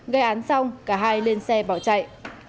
gây án xong cả hai lên xe bỏ chạy